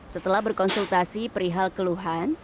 setelah berkonsultasi perihal keluhan